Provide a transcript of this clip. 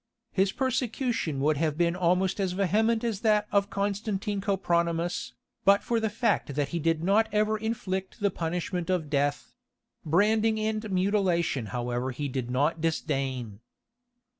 His persecution would have been almost as vehement as that of Constantine Copronymus, but for the fact that he did not ever inflict the punishment of death; branding and mutilation however he did not disdain.